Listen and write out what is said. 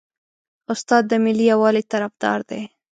استاد د ملي یووالي طرفدار دی.